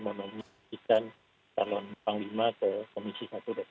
memanfaatkan talon panglima ke komisi satu